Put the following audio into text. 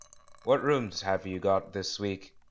"What rooms have you got this week?"